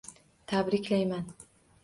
Tabriklayman!